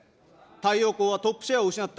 太陽光はトップシェアを失った。